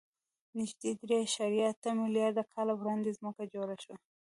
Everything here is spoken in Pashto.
نږدې درې اعشاریه اته میلیارده کاله وړاندې ځمکه جوړه شوه.